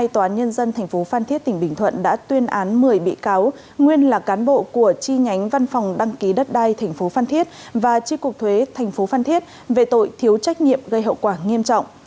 tòa án nhân dân tp phan thiết tỉnh bình thuận đã tuyên án một mươi bị cáo nguyên là cán bộ của chi nhánh văn phòng đăng ký đất đai tp phan thiết và tri cục thuế thành phố phan thiết về tội thiếu trách nhiệm gây hậu quả nghiêm trọng